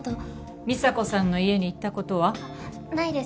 美沙子さんの家に行った事は？ないです。